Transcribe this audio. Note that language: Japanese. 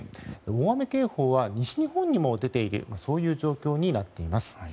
大雨警報は西日本にも出ているそういう状況になっています。